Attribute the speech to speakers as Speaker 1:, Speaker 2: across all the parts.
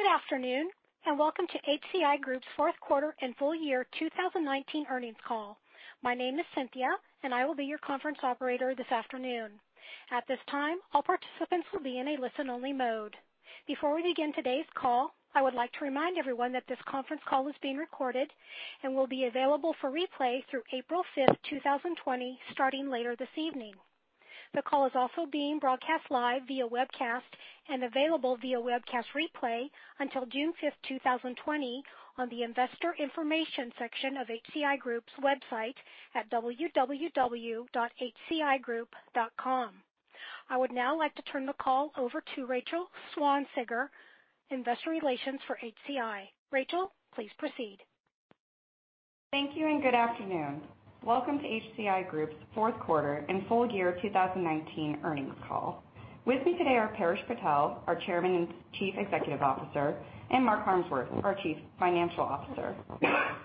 Speaker 1: Good afternoon, and welcome to HCI Group's fourth quarter and full year 2019 earnings call. My name is Cynthia, and I will be your conference operator this afternoon. At this time, all participants will be in a listen-only mode. Before we begin today's call, I would like to remind everyone that this conference call is being recorded and will be available for replay through April 5th, 2020, starting later this evening. The call is also being broadcast live via webcast and available via webcast replay until June 5th, 2020, on the investor information section of HCI Group's website at www.hcigroup.com. I would now like to turn the call over to Rachel Schwanzfiger, Investor Relations for HCI. Rachel, please proceed.
Speaker 2: Thank you, and good afternoon. Welcome to HCI Group's fourth quarter and full year 2019 earnings call. With me today are Paresh Patel, our Chairman and Chief Executive Officer, and Mark Harmsworth, our Chief Financial Officer.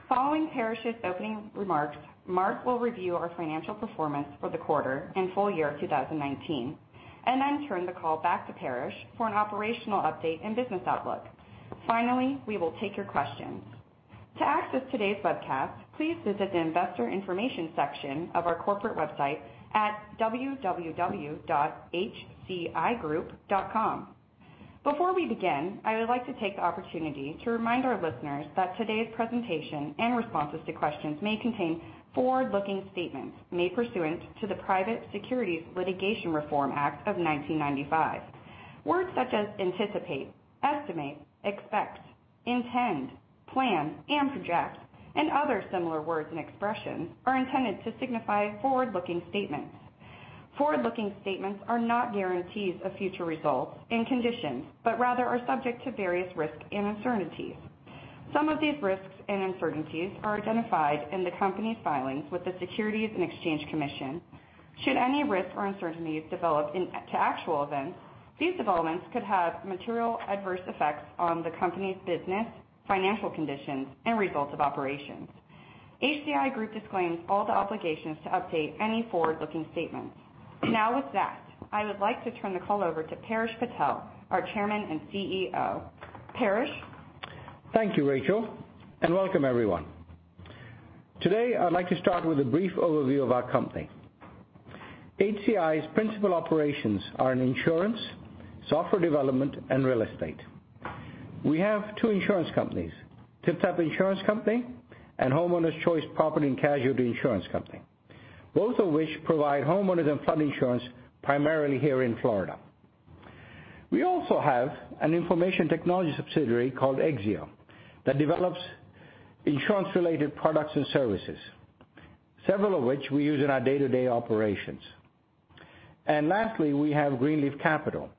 Speaker 2: Following Paresh's opening remarks, Mark will review our financial performance for the quarter and full year 2019, then turn the call back to Paresh for an operational update and business outlook. Finally, we will take your questions. To access today's webcast, please visit the investor information section of our corporate website at www.hcigroup.com. Before we begin, I would like to take the opportunity to remind our listeners that today's presentation and responses to questions may contain forward-looking statements made pursuant to the Private Securities Litigation Reform Act of 1995. Words such as anticipate, estimate, expect, intend, plan, and project, and other similar words and expressions, are intended to signify forward-looking statements. Forward-looking statements are not guarantees of future results and conditions, but rather are subject to various risks and uncertainties. Some of these risks and uncertainties are identified in the company's filings with the Securities and Exchange Commission. Should any risks or uncertainties develop to actual events, these developments could have material adverse effects on the company's business, financial conditions, and results of operations. HCI Group disclaims all the obligations to update any forward-looking statements. Now with that, I would like to turn the call over to Paresh Patel, our Chairman and CEO. Paresh?
Speaker 3: Thank you, Rachel, and welcome everyone. Today, I'd like to start with a brief overview of our company. HCI's principal operations are in insurance, software development, and real estate. We have two insurance companies, TypTap Insurance Company and Homeowners Choice Property & Casualty Insurance Company, both of which provide homeowners and flood insurance primarily here in Florida. We also have an information technology subsidiary called Exzeo, that develops insurance-related products and services, several of which we use in our day-to-day operations. Lastly, we have Greenleaf Capital,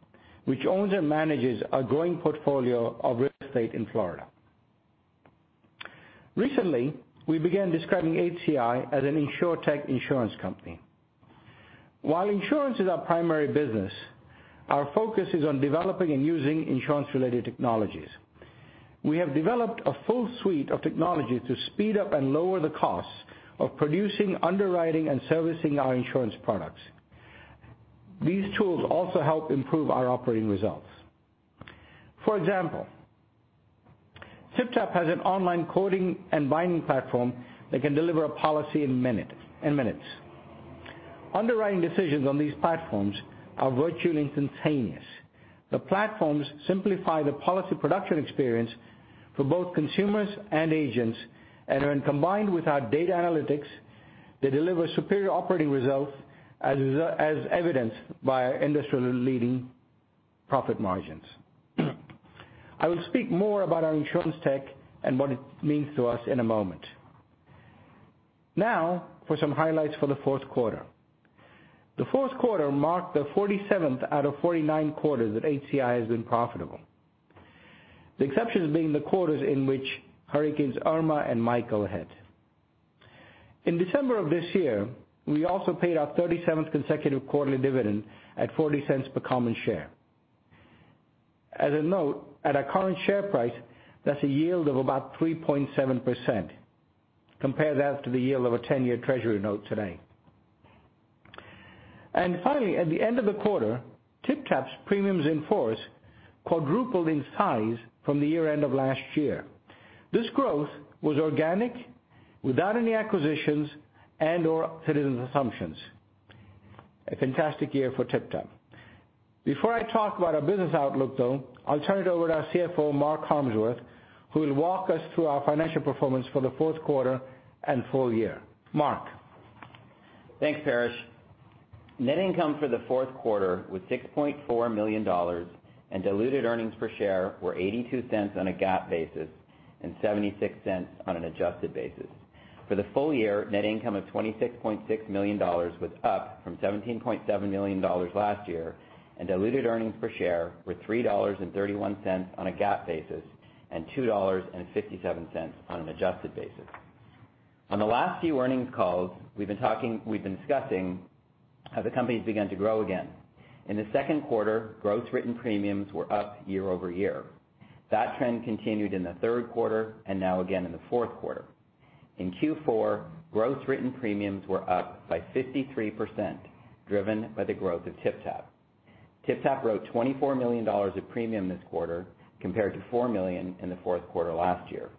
Speaker 3: which owns and manages a growing portfolio of real estate in Florida. Recently, we began describing HCI as an InsurTech insurance company. While insurance is our primary business, our focus is on developing and using insurance-related technologies. We have developed a full suite of technology to speed up and lower the costs of producing, underwriting, and servicing our insurance products. These tools also help improve our operating results. For example, TypTap has an online quoting and binding platform that can deliver a policy in minutes. Underwriting decisions on these platforms are virtually instantaneous. The platforms simplify the policy production experience for both consumers and agents, and when combined with our data analytics, they deliver superior operating results, as evidenced by our industry-leading profit margins. I will speak more about our InsurTech and what it means to us in a moment. Now, for some highlights for the fourth quarter. The fourth quarter marked the 47th out of 49 quarters that HCI has been profitable. The exceptions being the quarters in which hurricanes Irma and Michael hit. In December of this year, we also paid our 37th consecutive quarterly dividend at $0.40 per common share. As a note, at our current share price, that's a yield of about 3.7%. Compare that to the yield of a 10-year Treasury note today. Finally, at the end of the quarter, TypTap's premiums in force quadrupled in size from the year-end of last year. This growth was organic, without any acquisitions and/or Citizens assumptions. A fantastic year for TypTap. Before I talk about our business outlook, though, I'll turn it over to our CFO, Mark Harmsworth, who will walk us through our financial performance for the fourth quarter and full year. Mark?
Speaker 4: Thanks, Paresh. Net income for the fourth quarter was $6.4 million and diluted earnings per share were $0.82 on a GAAP basis and $0.76 on an adjusted basis. For the full year, net income of $26.6 million was up from $17.7 million last year, and diluted earnings per share were $3.31 on a GAAP basis and $2.57 on an adjusted basis. On the last few earnings calls, we've been discussing how the company's begun to grow again. In the second quarter, gross written premiums were up year-over-year. That trend continued in the third quarter, and now again in the fourth quarter. In Q4, gross written premiums were up by 53%, driven by the growth of TypTap. TypTap wrote $24 million of premium this quarter, compared to $4 million in the fourth quarter last year.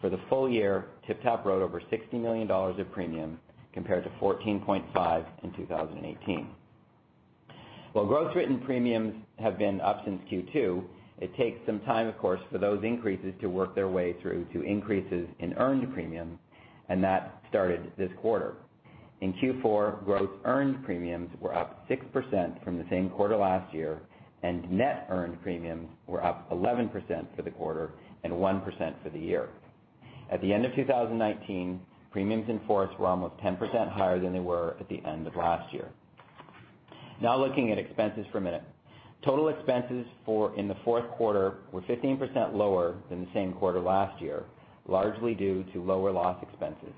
Speaker 4: For the full year, TypTap wrote over $60 million of premium, compared to $14.5 million in 2018. While gross written premiums have been up since Q2, it takes some time, of course, for those increases to work their way through to increases in earned premium, and that started this quarter. In Q4, gross earned premiums were up 6% from the same quarter last year, and net earned premiums were up 11% for the quarter and 1% for the year. At the end of 2019, premiums in force were almost 10% higher than they were at the end of last year. Now looking at expenses for a minute. Total expenses in the fourth quarter were 15% lower than the same quarter last year, largely due to lower loss expenses.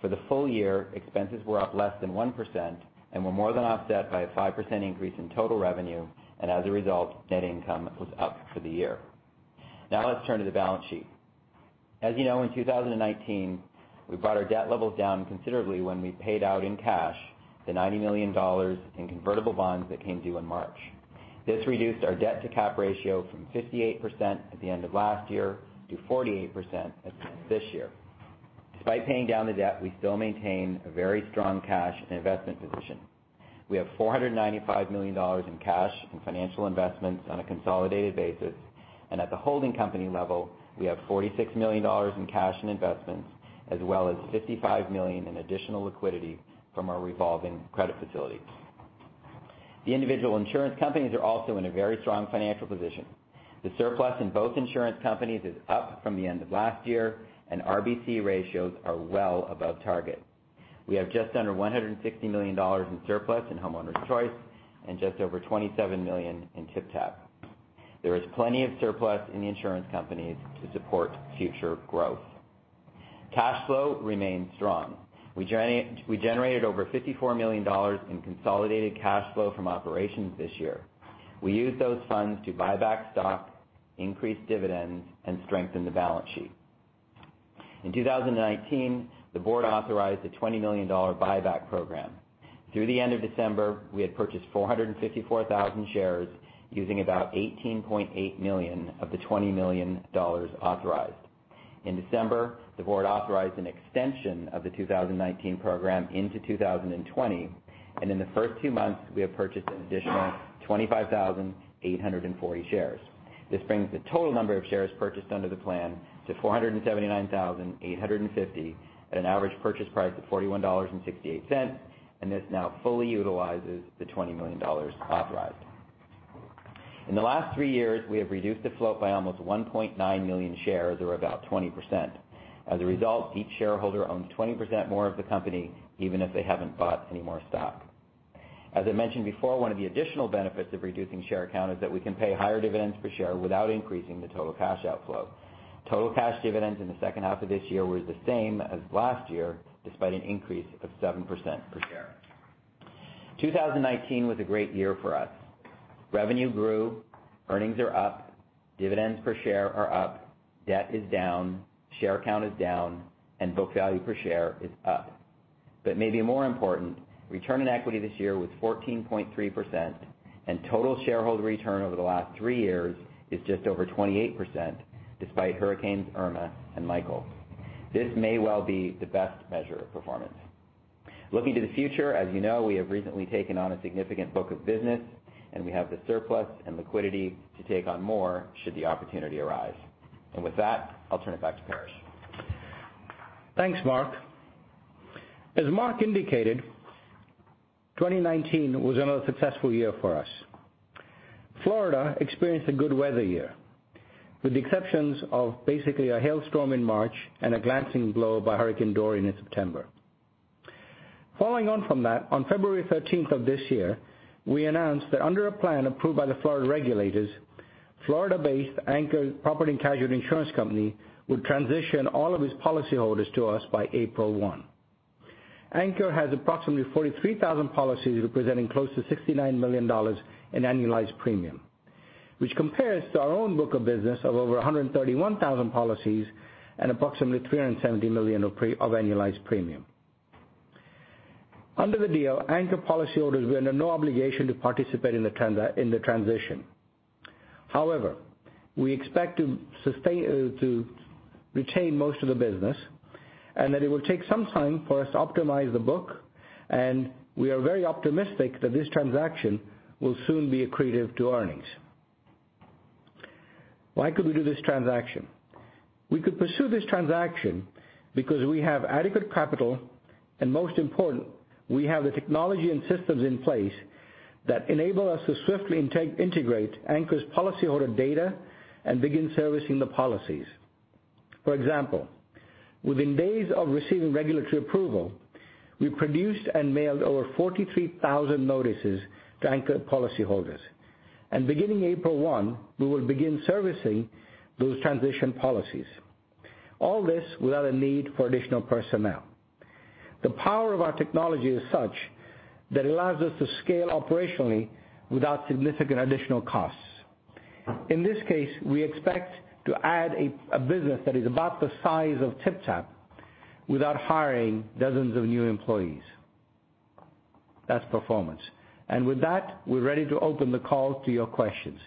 Speaker 4: For the full year, expenses were up less than 1% and were more than offset by a 5% increase in total revenue. As a result, net income was up for the year. Now let's turn to the balance sheet. As you know, in 2019, we brought our debt levels down considerably when we paid out in cash the $90 million in convertible bonds that came due in March. This reduced our debt-to-cap ratio from 58% at the end of last year to 48% as of this year. Despite paying down the debt, we still maintain a very strong cash and investment position. We have $495 million in cash and financial investments on a consolidated basis. At the holding company level, we have $46 million in cash and investments, as well as $55 million in additional liquidity from our revolving credit facilities. The individual insurance companies are also in a very strong financial position. The surplus in both insurance companies is up from the end of last year, and RBC ratios are well above target. We have just under $160 million in surplus in Homeowners Choice and just over $27 million in TypTap. There is plenty of surplus in the insurance companies to support future growth. Cash flow remains strong. We generated over $54 million in consolidated cash flow from operations this year. We used those funds to buy back stock, increase dividends, and strengthen the balance sheet. In 2019, the board authorized a $20 million buyback program. Through the end of December, we had purchased 454,000 shares using about $18.8 million of the $20 million authorized. In December, the board authorized an extension of the 2019 program into 2020. In the first two months, we have purchased an additional 25,840 shares. This brings the total number of shares purchased under the plan to 479,850 at an average purchase price of $41.68. This now fully utilizes the $20 million authorized. In the last three years, we have reduced the float by almost 1.9 million shares, or about 20%. As a result, each shareholder owns 20% more of the company, even if they haven't bought any more stock. As I mentioned before, one of the additional benefits of reducing share count is that we can pay higher dividends per share without increasing the total cash outflow. Total cash dividends in the second half of this year were the same as last year, despite an increase of 7% per share. 2019 was a great year for us. Revenue grew, earnings are up, dividends per share are up, debt is down, share count is down, book value per share is up. Maybe more important, return on equity this year was 14.3%. Total shareholder return over the last three years is just over 28%, despite hurricanes Irma and Michael. This may well be the best measure of performance. Looking to the future, as you know, we have recently taken on a significant book of business. We have the surplus and liquidity to take on more should the opportunity arise. With that, I'll turn it back to Paresh.
Speaker 3: Thanks, Mark. As Mark indicated, 2019 was another successful year for us. Florida experienced a good weather year, with the exceptions of basically a hail storm in March and a glancing blow by Hurricane Dorian in September. Following on from that, on February 13th of this year, we announced that under a plan approved by the Florida regulators, Florida-based Anchor Property and Casualty Insurance Company would transition all of its policyholders to us by April 1. Anchor has approximately 43,000 policies representing close to $69 million in annualized premium, which compares to our own book of business of over 131,000 policies and approximately $370 million of annualized premium. Under the deal, Anchor policyholders were under no obligation to participate in the transition. However, we expect to retain most of the business and that it will take some time for us to optimize the book, and we are very optimistic that this transaction will soon be accretive to earnings. Why could we do this transaction? We could pursue this transaction because we have adequate capital, and most important, we have the technology and systems in place that enable us to swiftly integrate Anchor's policyholder data and begin servicing the policies. For example, within days of receiving regulatory approval, we produced and mailed over 43,000 notices to Anchor policyholders. Beginning April 1, we will begin servicing those transition policies. All this without a need for additional personnel. The power of our technology is such that it allows us to scale operationally without significant additional costs. In this case, we expect to add a business that is about the size of TypTap without hiring dozens of new employees. That's performance. With that, we're ready to open the call to your questions.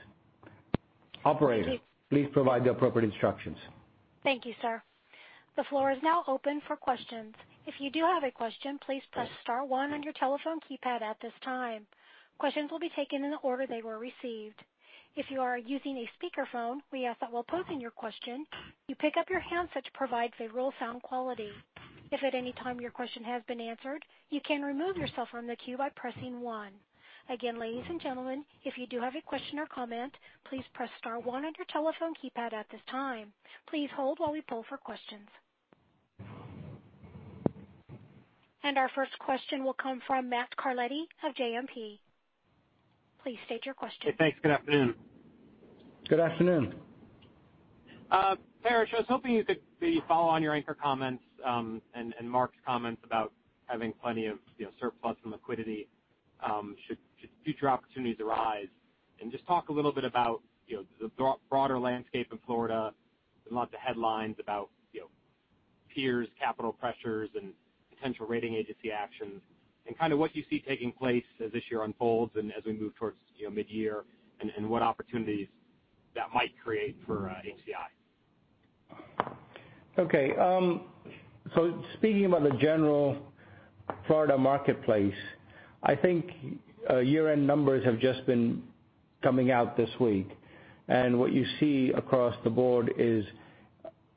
Speaker 3: Operator, please provide the appropriate instructions.
Speaker 1: Thank you, sir. The floor is now open for questions. If you do have a question, please press star one on your telephone keypad at this time. Questions will be taken in the order they were received. If you are using a speakerphone, we ask that while posing your question, you pick up your handset to provide a real sound quality. If at any time your question has been answered, you can remove yourself from the queue by pressing one. Again, ladies and gentlemen, if you do have a question or comment, please press star one on your telephone keypad at this time. Please hold while we poll for questions. Our first question will come from Matt Carletti of JMP. Please state your question.
Speaker 5: Hey, thanks. Good afternoon.
Speaker 3: Good afternoon.
Speaker 5: Paresh, I was hoping you could maybe follow on your Anchor comments, and Mark's comments about having plenty of surplus and liquidity, should future opportunities arise, and just talk a little bit about the broader landscape in Florida. There's lots of headlines about peers, capital pressures, and potential rating agency actions, and what you see taking place as this year unfolds and as we move towards mid-year, and what opportunities that might create for HCI.
Speaker 3: Speaking about the general Florida marketplace, I think year-end numbers have just been coming out this week. What you see across the board is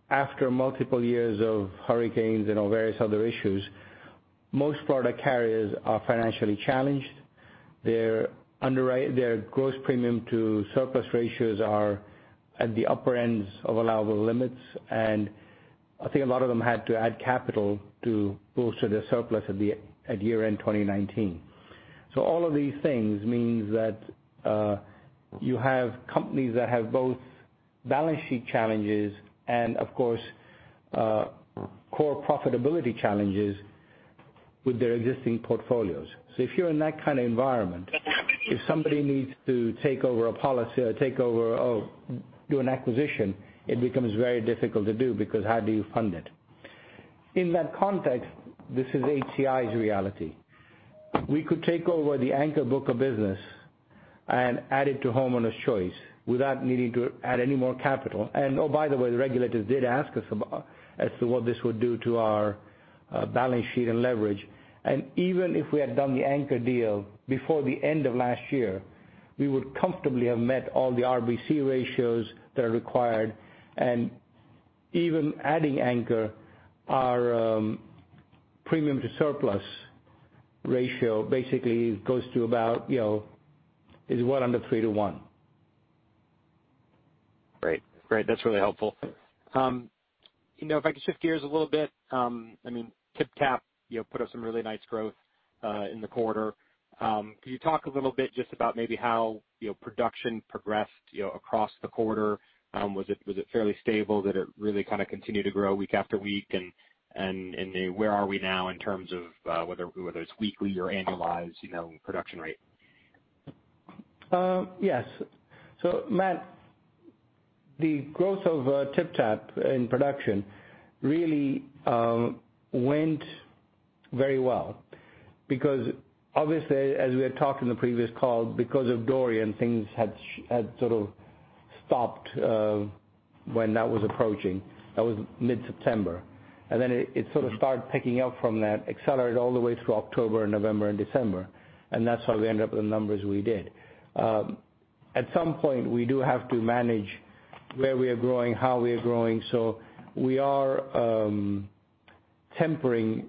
Speaker 3: after multiple years of hurricanes and various other issues, most Florida carriers are financially challenged. Their gross premium to surplus ratios are at the upper ends of allowable limits, and I think a lot of them had to add capital to bolster their surplus at year-end 2019. All of these things means that you have companies that have both balance sheet challenges and, of course, core profitability challenges with their existing portfolios. If you're in that kind of environment, if somebody needs to take over a policy or do an acquisition, it becomes very difficult to do, because how do you fund it? In that context, this is HCI's reality. We could take over the Anchor book of business and add it to Homeowners Choice without needing to add any more capital. Oh, by the way, the regulators did ask us as to what this would do to our balance sheet and leverage. Even if we had done the Anchor deal before the end of last year, we would comfortably have met all the RBC ratios that are required. Even adding Anchor, our premium to surplus ratio basically is well under 3 to 1.
Speaker 5: Great. That's really helpful. If I could shift gears a little bit, TypTap put up some really nice growth in the quarter. Could you talk a little bit just about maybe how production progressed across the quarter? Was it fairly stable? Did it really continue to grow week after week? Where are we now in terms of whether it's weekly or annualized production rate?
Speaker 3: Yes, Matt, the growth of TypTap in production really went very well because obviously, as we had talked in the previous call, because of Dorian, things had sort of stopped when that was approaching. That was mid-September. Then it sort of started picking up from that, accelerated all the way through October and November and December, and that's why we ended up with the numbers we did. At some point, we do have to manage where we are growing, how we are growing. We are tempering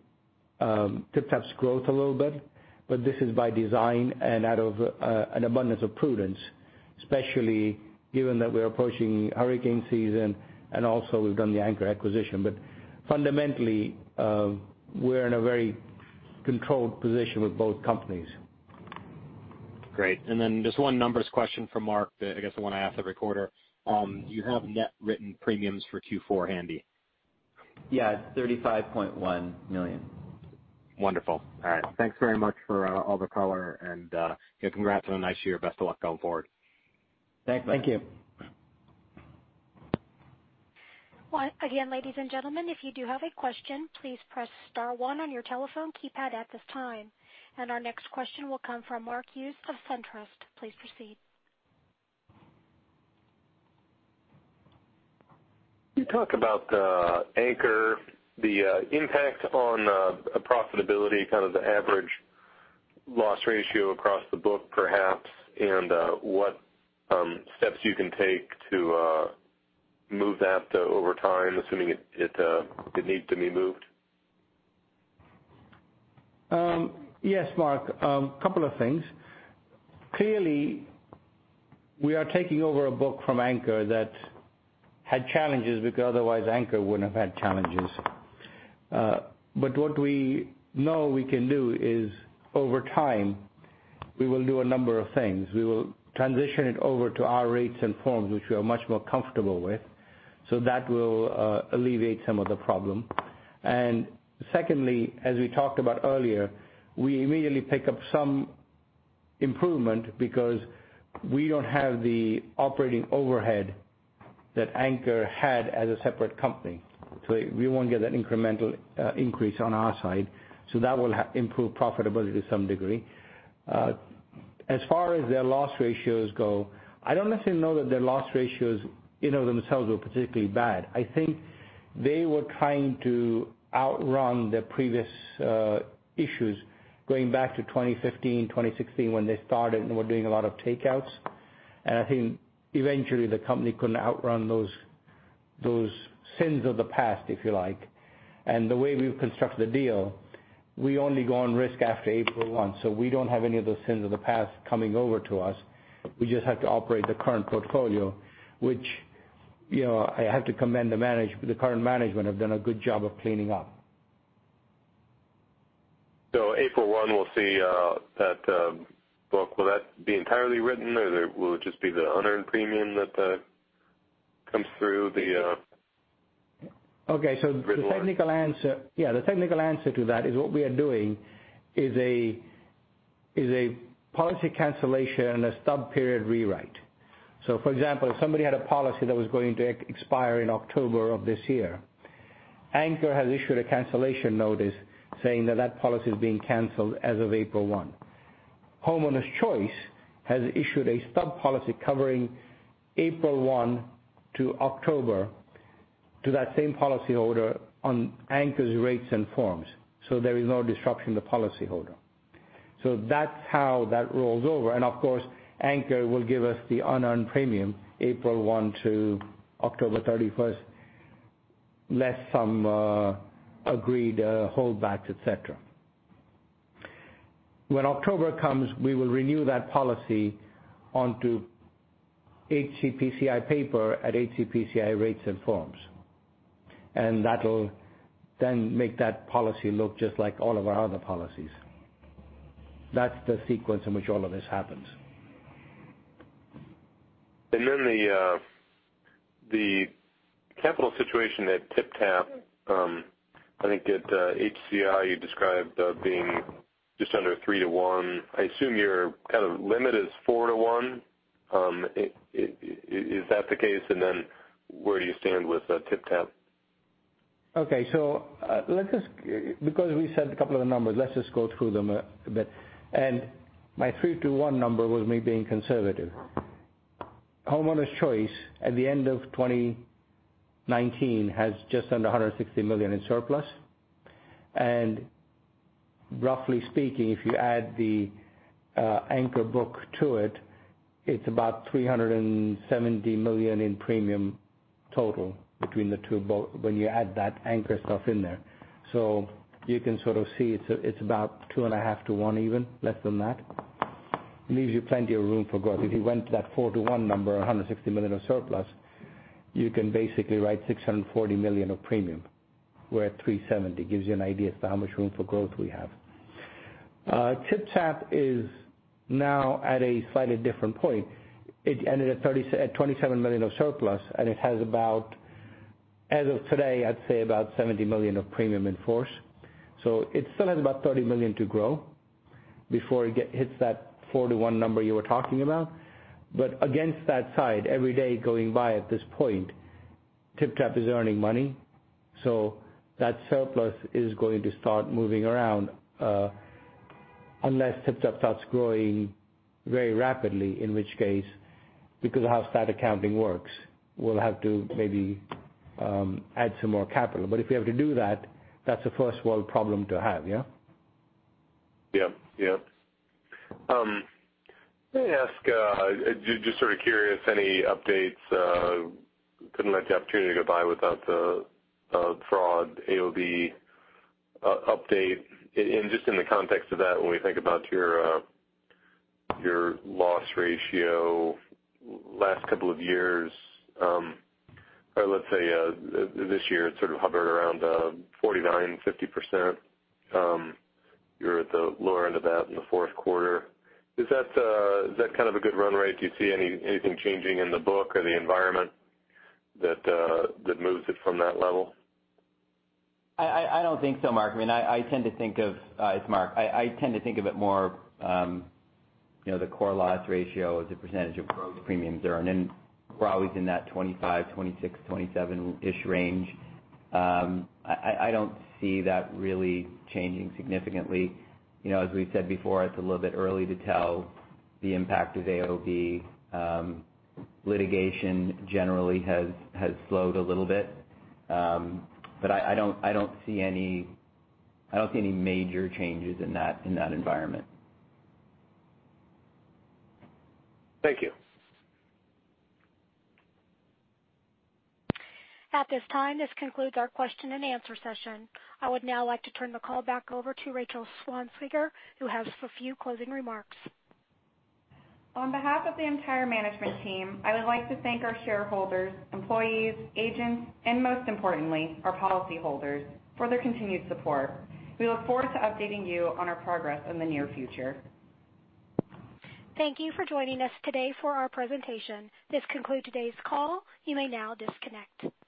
Speaker 3: TypTap's growth a little bit, but this is by design and out of an abundance of prudence, especially given that we're approaching hurricane season and also we've done the Anchor acquisition. But fundamentally, we're in a very controlled position with both companies.
Speaker 5: Great. Just one numbers question for Mark that I guess I want to ask every quarter. Do you have net written premiums for Q4 handy?
Speaker 4: Yeah. It is $35.1 million.
Speaker 5: Wonderful. All right. Thanks very much for all the color and congrats on a nice year. Best of luck going forward.
Speaker 4: Thanks, Matt.
Speaker 3: Thank you.
Speaker 1: Again, ladies and gentlemen, if you do have a question, please press star one on your telephone keypad at this time. Our next question will come from Mark Hughes of SunTrust. Please proceed.
Speaker 6: Can you talk about Anchor, the impact on profitability, kind of the average loss ratio across the book perhaps, and what steps you can take to move that over time, assuming it needs to be moved?
Speaker 3: Yes, Mark. Couple of things. Clearly, we are taking over a book from Anchor that had challenges because otherwise Anchor wouldn't have had challenges. What we know we can do is over time, we will do a number of things. We will transition it over to our rates and forms, which we are much more comfortable with. That will alleviate some of the problem. Secondly, as we talked about earlier, we immediately pick up some improvement because we don't have the operating overhead that Anchor had as a separate company. We won't get that incremental increase on our side. That will improve profitability to some degree. As far as their loss ratios go, I don't necessarily know that their loss ratios, themselves, were particularly bad. I think they were trying to outrun their previous issues going back to 2015, 2016, when they started and were doing a lot of takeouts. I think eventually the company couldn't outrun those sins of the past, if you like. The way we've constructed the deal, we only go on risk after April 1. We don't have any of those sins of the past coming over to us. We just have to operate the current portfolio, which I have to commend the current management, have done a good job of cleaning up.
Speaker 6: April 1, we'll see that book. Will that be entirely written or will it just be the unearned premium that comes through?
Speaker 3: Okay. The technical answer to that is what we are doing is a policy cancellation and a stub period rewrite. For example, if somebody had a policy that was going to expire in October of this year, Anchor has issued a cancellation notice saying that policy is being canceled as of April 1. Homeowners Choice has issued a stub policy covering April 1 to October to that same policyholder on Anchor's rates and forms. There is no disruption to policyholder. That's how that rolls over. Of course, Anchor will give us the unearned premium April 1 to October 31st, less some agreed holdbacks, et cetera. When October comes, we will renew that policy onto HCPCI paper at HCPCI rates and forms, and that'll then make that policy look just like all of our other policies. That's the sequence in which all of this happens.
Speaker 6: Then the capital situation at TypTap, I think at HCI, you described being just under three to one. I assume your kind of limit is four to one. Is that the case? Then where do you stand with TypTap?
Speaker 3: Okay. Because we said a couple of the numbers, let's just go through them a bit. My three to one number was me being conservative. Homeowners Choice at the end of 2019 has just under $160 million in surplus. Roughly speaking, if you add the Anchor book to it's about $370 million in premium total between the two, when you add that Anchor stuff in there. You can sort of see it's about two and a half to one even, less than that. It leaves you plenty of room for growth. If you went to that four to one number, $160 million of surplus, you can basically write $640 million of premium. We're at $370. Gives you an idea as to how much room for growth we have. TypTap is now at a slightly different point. It ended at $27 million of surplus. It has about, as of today, I'd say about $70 million of premium in force. It still has about $30 million to grow before it hits that 4 to 1 number you were talking about. Against that side, every day going by at this point, TypTap is earning money. That surplus is going to start moving around, unless TypTap starts growing very rapidly, in which case, because of how stat accounting works, we'll have to maybe add some more capital. If we have to do that's a first world problem to have, yeah.
Speaker 6: Yep. Let me ask, just sort of curious, any updates, couldn't let the opportunity go by without the fraud AOB update. Just in the context of that, when we think about your loss ratio last couple of years, or let's say this year, it's sort of hovered around 49%, 50%. You're at the lower end of that in the fourth quarter. Is that kind of a good run rate? Do you see anything changing in the book or the environment that moves it from that level?
Speaker 4: I don't think so, Mark. It's Mark. I tend to think of it more, the core loss ratio as a percentage of gross premiums earned. We're always in that 25%, 26%, 27%-ish range. I don't see that really changing significantly. As we've said before, it's a little bit early to tell the impact of AOB. Litigation generally has slowed a little bit. I don't see any major changes in that environment.
Speaker 6: Thank you.
Speaker 1: At this time, this concludes our question-and-answer session. I would now like to turn the call back over to Rachel Schwanzfiger, who has a few closing remarks.
Speaker 2: On behalf of the entire management team, I would like to thank our shareholders, employees, agents, and most importantly, our policyholders, for their continued support. We look forward to updating you on our progress in the near future.
Speaker 1: Thank you for joining us today for our presentation. This concludes today's call. You may now disconnect.